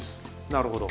なるほど。